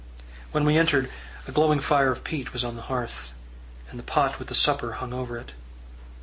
When we entered, a glowing fire of peat was on the hearth, and the pot with the supper hung over it.